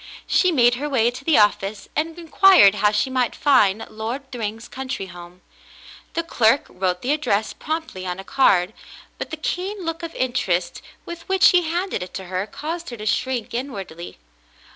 She made her way to the office and inquired how she might find Lord Thryng's country home. The clerk wrote the address promptly on a card, but the keen look of interest with which he handed it to her caused her to shrink in wardly.